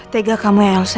membiarkan mama mengalami ini